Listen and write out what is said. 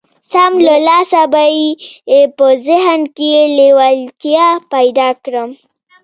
سم له لاسه به يې په ذهن کې لېوالتيا پيدا کړم.